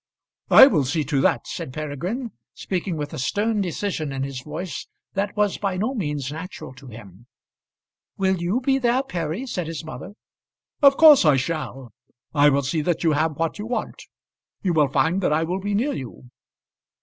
"I will see to that," said Peregrine, speaking with a stern decision in his voice that was by no means natural to him. "Will you be there, Perry?" said his mother. "Of course I shall. I will see that you have what you want. You will find that I will be near you."